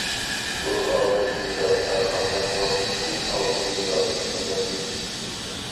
بۇ ئالتۇن مېدال ھەر قانداق ۋاقىتتىكى ئالتۇن مېدالدىن قىممەتلىك.